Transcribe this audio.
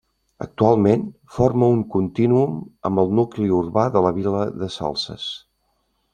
Actualment forma un contínuum amb el nucli urbà de la vila de Salses.